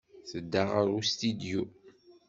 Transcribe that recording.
Tedda ɣer ustidyu.